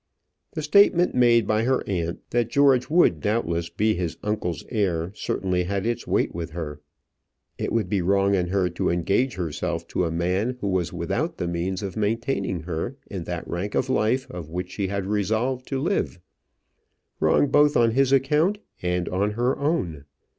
The statement made by her aunt that George would doubtless be his uncle's heir certainly had its weight with her. It would be wrong in her to engage herself to a man who was without the means of maintaining her in that rank of life in which she had resolved to live; wrong both on his account and on her own.